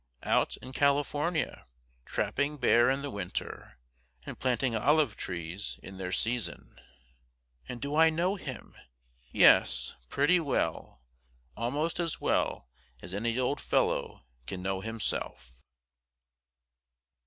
Out in California, trapping bear in the winter and planting olive trees in their season. And do I know him? Yes, pretty well, almost as well as any old fellow can know himself.